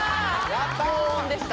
やった高音でした